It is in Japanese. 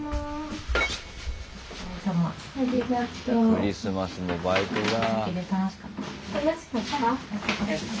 クリスマスもバイトだ。